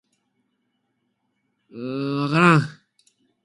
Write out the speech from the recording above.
蛾の我が強い